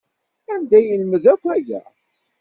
Anda ay yelmed akk aya?